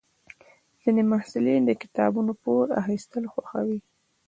ځینې محصلین د کتابونو پور اخیستل خوښوي.